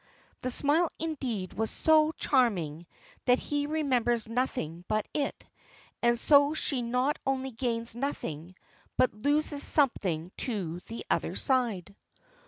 The smile indeed was so charming that he remembers nothing but it, and so she not only gains nothing, but loses something to the other side.